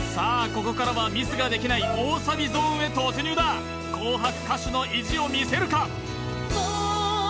ここからはミスができない大サビゾーンへ突入だ紅白歌手の意地を見せるか？